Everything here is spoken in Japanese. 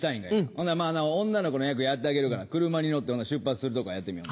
ほなまぁ女の子の役やってあげるから車に乗って出発するとこからやってみよう。